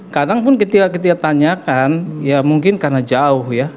kadang pun ketika kita tanyakan ya mungkin karena jauh ya